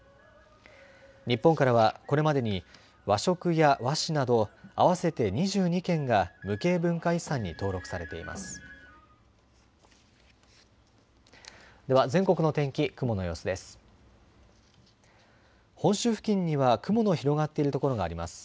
日本からはこれまでに和食や和紙など合わせて２２件が無形文化遺産に登録されています。